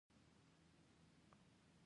هغه پر یوې غیر قانوني سیمه کې حکومت کاوه.